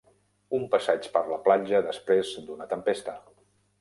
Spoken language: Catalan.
Un passeig per la platja després d'una tempesta.